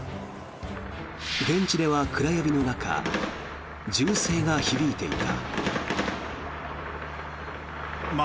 現地では暗闇の中銃声が響いていた。